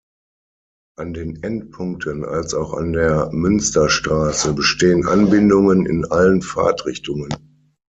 An den Endpunkten als auch an der Münsterstraße bestehen Anbindungen in allen Fahrtrichtungen.